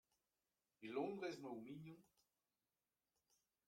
E Londrez emañ o mignon ?